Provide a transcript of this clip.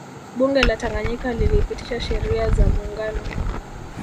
Bunge la Tanganyika lilipitisha Sheria za Muungano